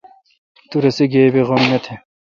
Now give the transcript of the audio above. تو رسے گیب غم نہ تھ۔